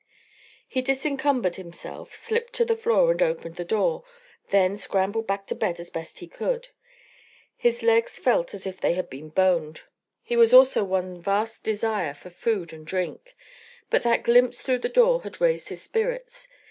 He disencumbered himself, slipped to the floor, and opened the door, then scrambled back to bed as best he could; his legs felt as if they had been boned. He was also one vast desire for food and drink. But that glimpse through the door had raised his spirits.